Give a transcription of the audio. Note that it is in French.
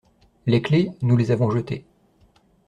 Les clefs, nous les avons jetées.